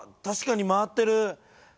確かに回ってる。